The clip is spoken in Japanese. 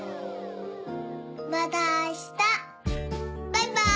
バイバーイ。